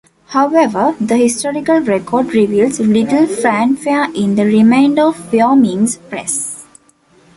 However, the historical record reveals little fanfare in the remainder of Wyoming's press.